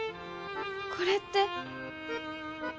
これって。